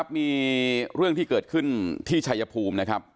มีเรื่องที่เกิดขึ้นที่ชายภูมินะครับ